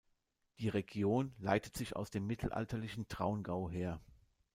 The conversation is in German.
Die Region leitet sich aus dem mittelalterlichen Traungau her.